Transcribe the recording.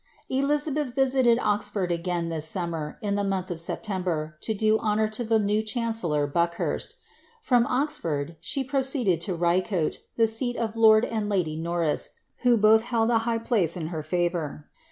* Elizabeth visited Oxford agi^n this summer, in the month of Septem ber, to do honour to the new chancellor, Buckhurst' From Oxfoit] she proceeded to Rieote, the seat of lord and lady Norris, who both held a high place in her fitvour.